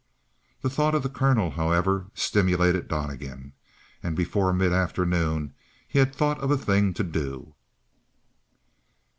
The thought of the colonel, however, stimulated Donnegan. And before midafternoon he had thought of a thing to do.